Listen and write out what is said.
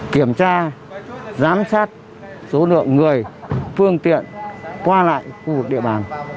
kiểm tra giám sát số lượng người phương tiện qua lại khu vực địa bàn